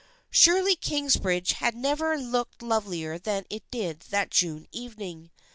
Surely Kingsbridge had never looked lovelier than it did that June evening.